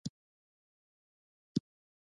ارتفاع باید له شپېته سانتي مترو کمه نه وي